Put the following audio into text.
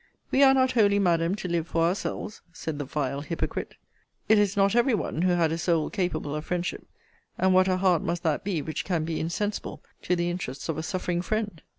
We are not wholly, Madam, to live for ourselves, said the vile hypocrite: it is not every one who had a soul capable of friendship: and what a heart must that be, which can be insensible to the interests of a suffering friend?